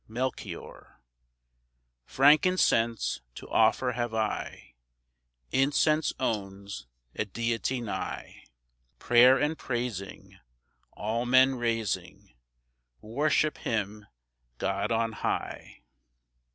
Melchior: Frankincense to offer have I, Incense owns a deity nigh; Prayer and praising All men raising, Worship Him God on high.